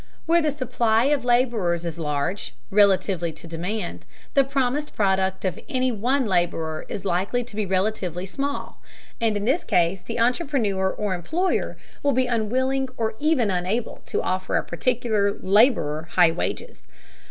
Where the supply of laborers is large, relatively to demand, the promised product of any one laborer is likely to be relatively small, and in this case the entrepreneur or employer will be unwilling or even unable to offer a particular laborer high wages.